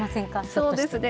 そうですね。